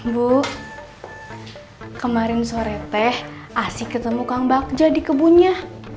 bu kemarin sore teh asik ketemu kang bagja di kebunnya